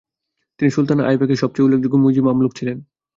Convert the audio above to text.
তিনি সুলতান আইবাকের সবচেয়ে উল্লেখযোগ্য মুইযি মামলুক ছিলেন।